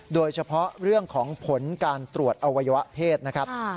โดยเฉพาะเรื่องของผลการตรวจอวัยวะเพศนะครับ